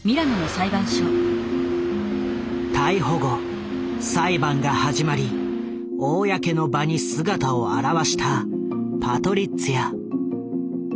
逮捕後裁判が始まり公の場に姿を現したパトリッツィア。